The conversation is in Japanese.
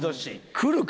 来るか！